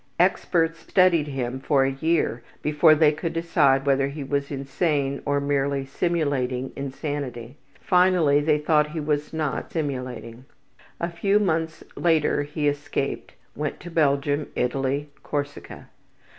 Experts studied him for a year before they could decide whether he was insane or merely simulating insanity. Finally they thought he was not simulating. A few months later he escaped, went to Belgium, Italy, Corsica.